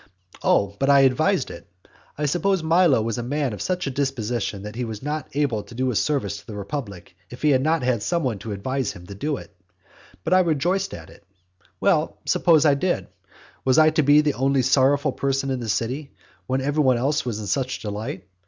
Oh, but I advised it. I suppose Milo was a man of such a disposition that he was not able to do a service to the republic if he had not some one to advise him to do it. But I rejoiced at it. Well, suppose I did; was I to be the only sorrowful person in the city, when every one else was in such delight?